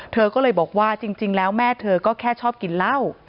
เธอก็เลยบอกว่าจริงแล้วแม่เธอก็แค่ชอบกินเหล้า